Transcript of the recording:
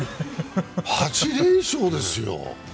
８連勝ですよ。